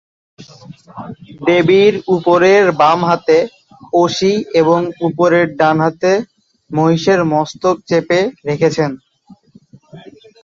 দেবীর উপরের বামহাতে অসি এবং উপরের ডানহাতে মহিষের মস্তক চেপে রেখেছেন।